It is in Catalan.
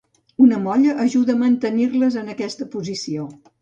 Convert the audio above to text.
Una molla ajuda a mantenir-les en aquesta posició.